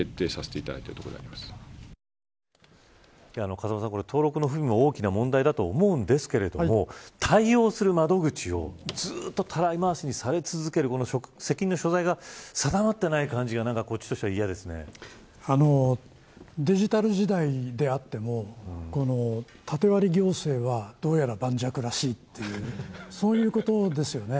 風間さん登録の不備も大きな問題だと思うんですけど対応する窓口をずっとたらい回しにされ続ける責任の所在が定まっていない感じがデジタル時代であっても縦割り行政はどうやら盤石らしいというそういうことですよね。